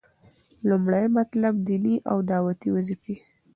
لومړی مطلب - ديني او دعوتي وظيفي: